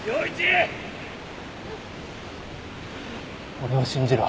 俺を信じろ。